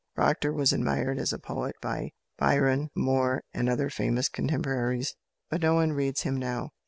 Procter was admired as a poet by Byron, Moore, and other famous contemporaries, but no one reads him now.